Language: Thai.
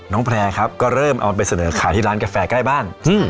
แพร่ครับก็เริ่มเอาไปเสนอขายที่ร้านกาแฟใกล้บ้าน